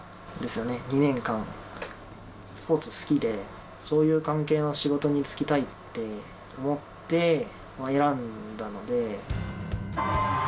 スポーツ好きで、そういう関係の仕事に就きたいって思って選んだので。